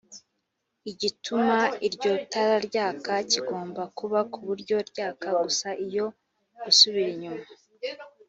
igituma iryo tara ryaka kigomba kuba ku buryo ryaka gusa iyo gusubira inyuma